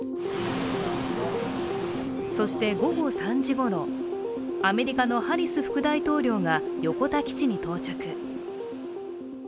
そして午後３時ごろ、アメリカのハリス副大統領が横田基地に到着。